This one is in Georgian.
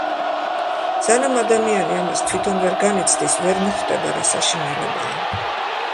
სანამ ადამიანი ამას თვითონ ვერ განიცდის, ვერ მიხვდება რა საშინელებაა.